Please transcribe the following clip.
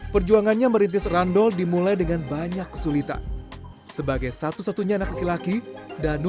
perjuangannya merintis randol dimulai dengan banyak kesulitan sebagai satu satunya anak laki laki danu